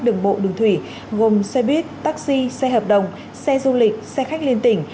đường bộ đường thủy gồm xe buýt taxi xe hợp đồng xe du lịch xe khách liên tỉnh